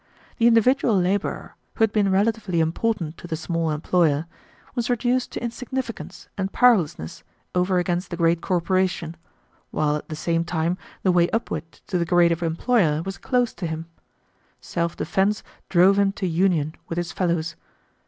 The individual laborer, who had been relatively important to the small employer, was reduced to insignificance and powerlessness over against the great corporation, while at the same time the way upward to the grade of employer was closed to him. Self defense drove him to union with his fellows.